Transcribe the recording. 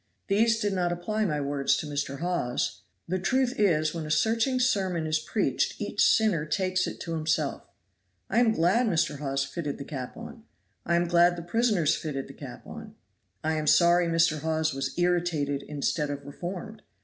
These did not apply my words to Mr. Hawes. The truth is when a searching sermon is preached each sinner takes it to himself. I am glad Mr. Hawes fitted the cap on. I am glad the prisoners fitted the cap on. I am sorry Mr. Hawes was irritated instead of reformed.